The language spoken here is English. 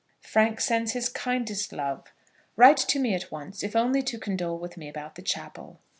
Frank sends his kindest love. Write to me at once, if only to condole with me about the chapel.